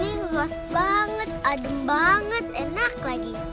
di sini luas banget adem banget enak lagi